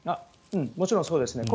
もちろんそうですね。